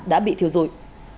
đã bị thiêu dụi